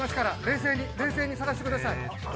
冷静に冷静に探してください。